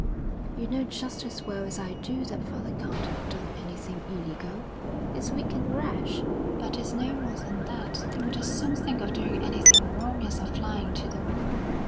'You know just as well as I do that father can't have done anything illegal. He's weak and rash, but he's no more than that. He would as soon think of doing anything wrong as of flying to the moon.